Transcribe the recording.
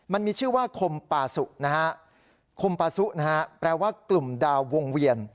มันมีชื่อว่าคมปาสุนะฮะคมปาซุนะฮะแปลว่ากลุ่มดาววงเวียน